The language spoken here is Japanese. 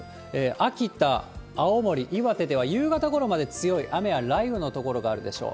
秋田、青森、岩手では、夕方ごろまで強い雨や雷雨の所があるでしょう。